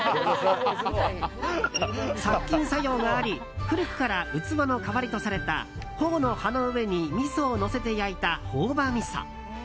殺菌作用があり古くから器の代わりとされたホオの葉の上にみそをのせて焼いた朴葉みそ。